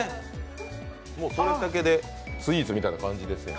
それだけでスイーツみたいな感じですか。